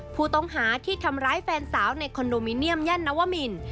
ผู้ต้องหาที่ทำร้ายแฟนสาวในคอนโดมิเนียมย่านนวมิน